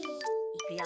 いくよ！